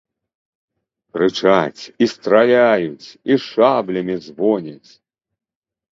Крычаць, і страляюць, і шаблямі звоняць.